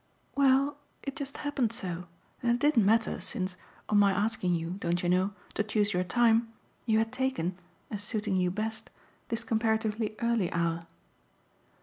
"Well, it just happened so, and it didn't matter, since, on my asking you, don't you know? to choose your time, you had taken, as suiting you best, this comparatively early hour."